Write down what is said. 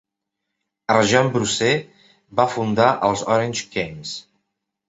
Arjan Brussee va fundar els Orange Games.